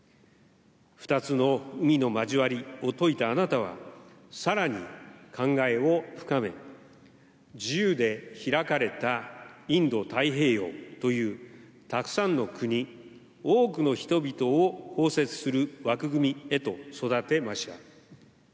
２つの海の交わりをといたあなたは、さらに考えを深め、自由で開かれたインド太平洋という、たくさんの国、多くの人々を包摂する枠組みへと育てました。